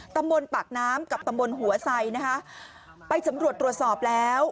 ตำบลปากน้ำกับตำบลหัวไซนะคะไปสำรวจตรวจสอบแล้ว